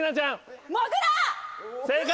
正解！